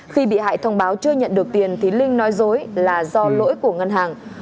khi bị hại thông báo chưa nhận được tiền thì linh nói dối là do lỗi của ngân hàng